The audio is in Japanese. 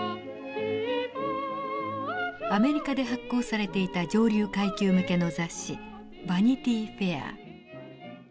アメリカで発行されていた上流階級向けの雑誌「ヴァニティー・フェア」。